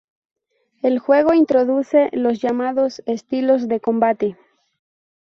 El juego introduce los llamados "estilos de combate".